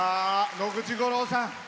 野口五郎さん。